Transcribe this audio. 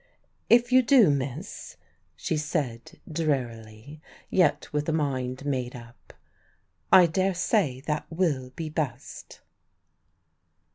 "If you do, miss," she said drearily, yet with a mind made up, "I daresay that will be best."